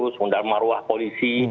untuk mengundang maruah polisi